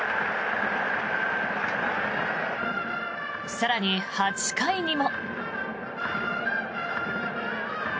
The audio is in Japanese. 更に８回にも。